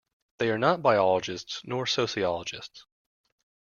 They are not biologists nor sociologists.